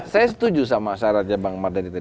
saya setuju sama syaratnya bang mardhani tadi